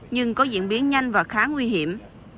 nhưng có diễn biến nhanh và khá nguy hiểm